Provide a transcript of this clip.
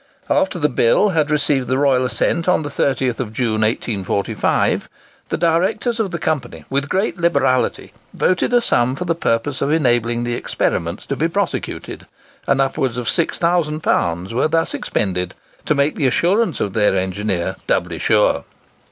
After the bill had received the royal assent on the 30th June, 1845, the directors of the company, with great liberality, voted a sum for the purpose of enabling the experiments to be prosecuted, and upwards of £6000 were thus expended to make the assurance of their engineer doubly sure.